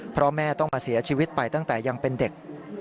เพราะแม่ต้องมาเสียชีวิตไปตั้งแต่ยังเป็นเด็ก